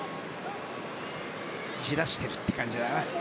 じらしてるという感じだな。